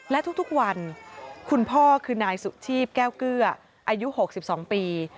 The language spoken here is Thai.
และทุกวันคุณพ่อคือนายสุชีพแก้วเกลืออายุ๖๒ปี